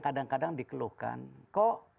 kadang kadang dikeluhkan kok